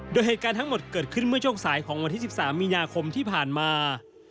โดยเหตุการณ์ทั้งหมดเกิดขึ้นเมื่อช่วงสายของวันที่๑๓มีนาคมที่ผ่านมา